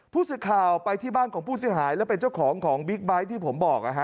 ผู้สื่อข่าวไปที่บ้านของผู้เสียหายและเป็นเจ้าของของบิ๊กไบท์ที่ผมบอก